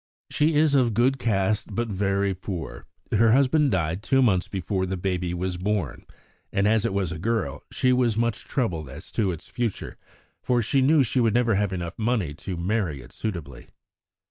"She is of good caste, but very poor. Her husband died two months before the baby was born, and as it was a girl she was much troubled as to its future, for she knew she would never have enough money to marry it suitably.